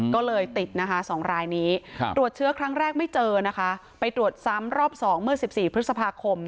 ก็เลยติดนะคะ๒รายนี้ตรวจเชื้อครั้งแรกไม่เจอนะคะไปตรวจซ้ำรอบ๒เมื่อ๑๔พฤษภาคม